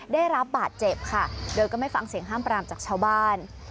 ได้รับบาดเจ็บค่ะโดยก็ไม่ฟังเสียงห้ามปรามจากชาวบ้าน